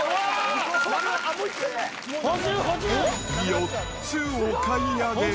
４つお買い上げ。